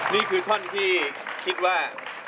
นี่คือท่อนที่คิดว่า